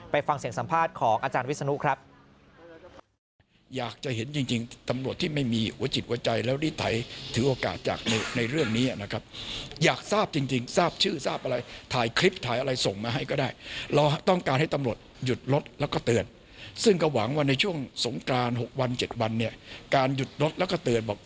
ฟังเสียงสัมภาษณ์ของอาจารย์วิศนุครับ